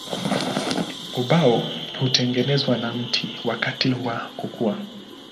Ubao hutengenezwa na mti wakati wa kukua.